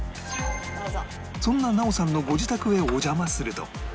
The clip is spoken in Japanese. そんななおさんのご自宅へお邪魔すると